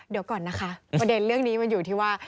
เดี๋ยวก่อนนะคะประเด็นเรื่องนี้มันอยู่ที่ว่า